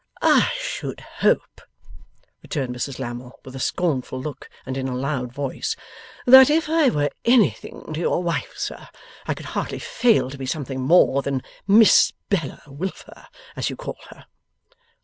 'I should hope,' returned Mrs Lammle, with a scornful look and in a loud voice, 'that if I were anything to your wife, sir, I could hardly fail to be something more than Miss Bella Wilfer, as you call her.